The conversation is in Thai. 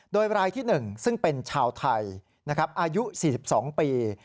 โดยรายที่๑ซึ่งเป็นชาวไทยอายุ๔๒ปี